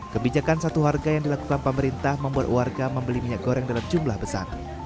kebijakan satu harga yang dilakukan pemerintah membuat warga membeli minyak goreng dalam jumlah besar